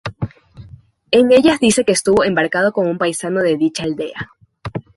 En ellas dice que estuvo embarcado con un paisano de dicha aldea.